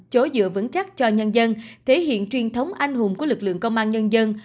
chỗ dựa vững chắc cho nhân dân thể hiện truyền thống anh hùng của lực lượng công an nhân dân